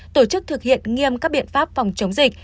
tổ chức thực hiện nghiêm các biện pháp phòng chống dịch